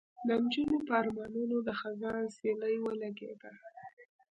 د نجونو په ارمانونو د خزان سیلۍ ولګېده